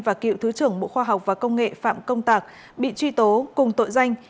và cựu thứ trưởng bộ khoa học và công nghệ phạm công tạc bị truy tố cùng tội danh